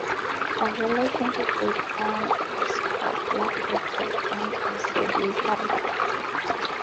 The relationship with Ann Ayscough lasted to the end of Sedley's life.